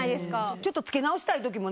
ちょっと着け直したいときもね